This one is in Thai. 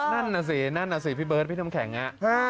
นั่นน่ะสินั่นน่ะสิพี่เบิร์ดพี่น้ำแข็งอ่ะ